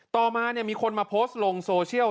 ต่อมามีคนมาโพสต์ลงโซเชียล